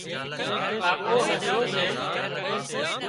ڪاڪو هڌرو سي